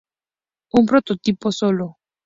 Un prototipo sólo.